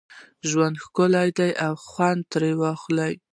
ژوند ښکلی دی او خوند ترې واخله